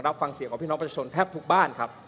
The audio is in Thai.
รับฟังเสียงของพี่น้องประชาชนแทบทุกบ้านครับ